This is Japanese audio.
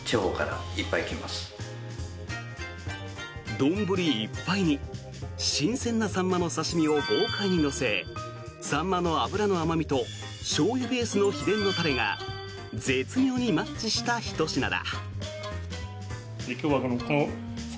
丼いっぱいに新鮮なサンマの刺し身を豪快に乗せサンマの脂の甘味としょうゆベースの秘伝のタレが絶妙にマッチしたひと品だ。